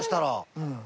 うん。